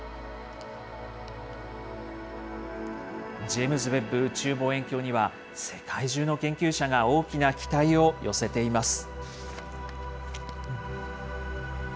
ジェームズ・ウェッブ宇宙望遠鏡には、世界中の研究者が大きな期待を寄せています。